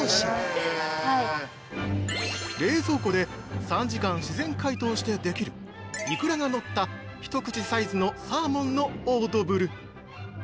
◆冷蔵庫で３時間自然解凍してできるイクラがのった一口サイズのサーモンのオードブル。